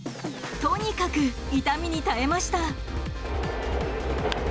とにかく痛みに耐えました。